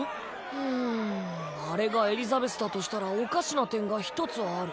うんあれがエリザベスだとしたらおかしな点が一つある。